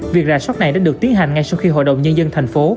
việc rà soát này đã được tiến hành ngay sau khi hội đồng nhân dân tp